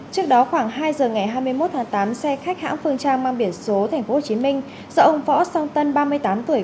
trước đó khoảng hai giờ ngày hai mươi một tháng tám xe khách hãng phương trang mang biển số tp hcm do ông võ song tân ba mươi tám tuổi